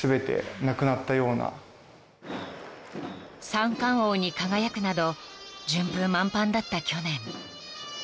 ［三冠王に輝くなど順風満帆だった去年］